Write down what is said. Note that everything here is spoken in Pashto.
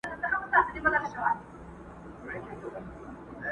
شپې مو په ساحل کې د څپو له وهمه وتښتي.!